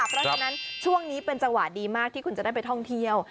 เพราะฉะนั้นช่วงนี้เป็นจังหวะดีมากที่คุณจะได้ไปท่องเที่ยว